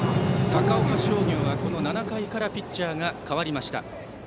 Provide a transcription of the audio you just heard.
高岡商業は７回からピッチャーが代わりました。